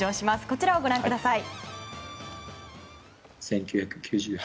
こちらをご覧ください。